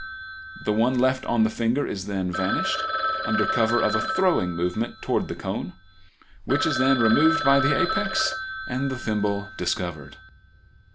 The one left on the finger is then vanished, under cover of a throwing movement towards the cone, which is then removed by the apex and the thimble discovered.